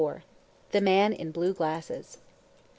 THE MAN IN BLUE GLASSES.